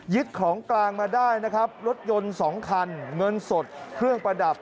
ของกลางมาได้นะครับรถยนต์๒คันเงินสดเครื่องประดับ